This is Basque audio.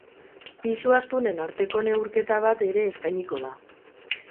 Pisu astunen arteko neurketa bat ere eskainiko da.